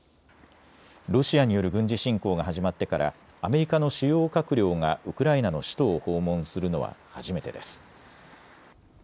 ロシアによる軍事侵攻が始まってからアメリカの主要閣僚がウクライナの首都を訪問するのは初めてです。